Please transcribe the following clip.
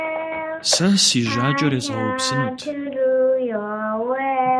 Сэ си жьакӏэр езгъэупсынут.